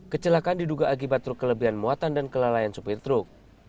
kecelakaan diduga akibat truk kelebihan muatan dan kelalaian supir truk